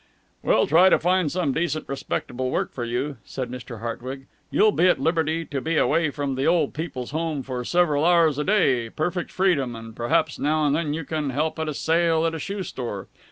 "We'll try to find some decent, respectable work for you," said Mr. Hartwig. "You'll be at liberty to be away from the Old People's Home for several hours a day, perfect freedom, and perhaps now and then you can help at a sale at a shoe store.